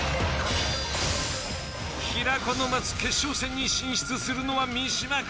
平子の待つ決勝戦に進出するのは三島か？